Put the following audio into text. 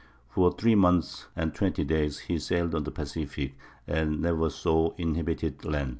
For three months and twenty days he sailed on the Pacific, and never saw inhabited land.